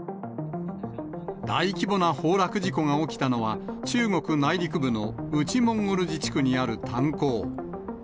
大規模な崩落事故が起きたのは、中国内陸部の内モンゴル自治区にある炭鉱。